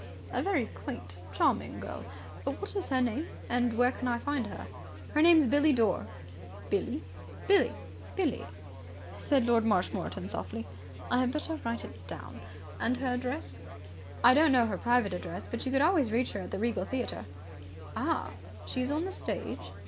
"A very quaint and charming girl. What is her name? And where can I find her?" "Her name's Billie Dore." "Billie?" "Billie." "Billie!" said Lord Marshmoreton softly. "I had better write it down. And her address?" "I don't know her private address. But you could always reach her at the Regal Theatre." "Ah! She is on the stage?"